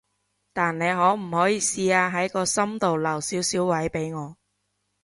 但你可唔可以試下喺個心留少少位畀我？